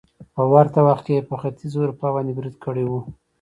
په ورته وخت کې يې په ختيځې اروپا باندې بريد کړی وو